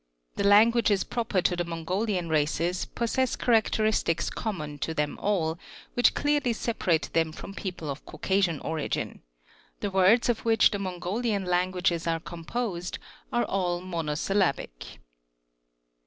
The languages proper to the Mongolian races pos sess characteristics common to them all, which clearly separate them from people of Caucasian origin : the words of which the Mongolian languages are composed are all monosyllabic.